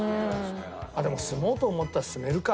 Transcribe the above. あっでも住もうと思ったら住めるか。